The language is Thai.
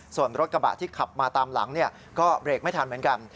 ส่วนรถกระบะที่ขับมาตามหลังก็เบรกไม่ทันเหมือนกัน